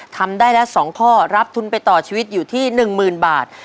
ทำได้แล้ว๒ข้อรับทุนไปต่อชีวิตอยู่ที่๑๐๐๐บาท